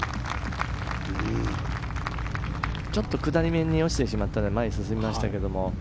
ちょっと下り目に落ちてしまったので前に進みましたが。